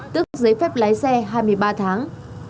tức giấy phép lái xe hai mươi ba tháng